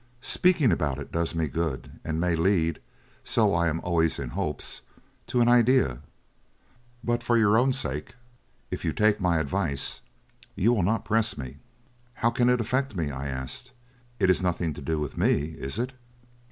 Speaking about it does me good, and may lead—so I am always in hopes—to an idea. But, for your own sake, if you take my advice, you will not press me." "How can it affect me?" I asked, "it is nothing to do with me, is it?"